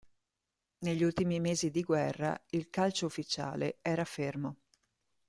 Negli ultimi mesi di guerra il calcio ufficiale era fermo.